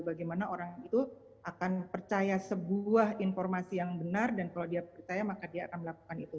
bagaimana orang itu akan percaya sebuah informasi yang benar dan kalau dia percaya maka dia akan melakukan itu